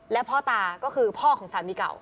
และพ่อตาก็คือพ่อของสามีเก่า